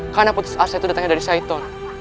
karena putus asa itu datangnya dari saiton